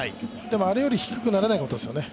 あれより低くならないことですよね。